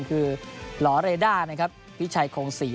คือหลอเรด้านะครับพิชัยโคงศรี